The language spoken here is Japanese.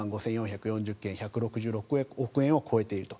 １万５４４０件、１６６億円を超えていると。